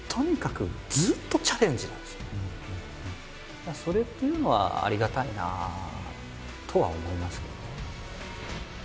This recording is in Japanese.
だけどそれっていうのはありがたいなとは思いますけどね。